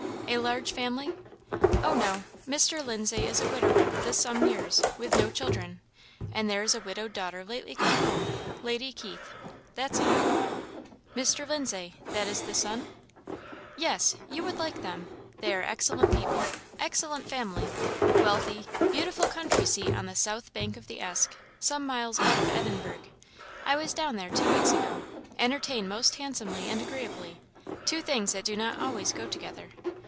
"A large family?" "Oh, no; Mr. Lindsay is a widower this some years, with no children; and there is a widowed daughter lately come home Lady Keith; that's all." "Mr. Lindsay that is the son?" "Yes. You would like them. They are excellent people excellent family wealthy beautiful country seat on the south bank of the Esk, some miles out of Edinburgh; I was down there two weeks ago entertain most handsomely and agreeably, two things that do not always go together.